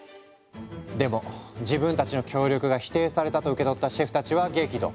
でも自分たちの協力が否定されたと受け取ったシェフたちは激怒。